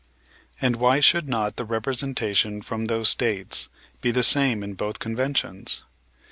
And why should not the representation from those States be the same in both conventions?